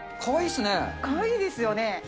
かわいいですよね。